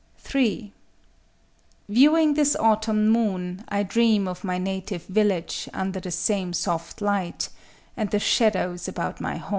_ _(3) Viewing this autumn moon, I dream of my native village Under the same soft light,—and the shadows about my home.